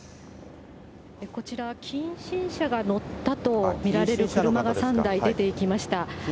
こちら、近親者が乗ったと見られる車が３台出ていきました。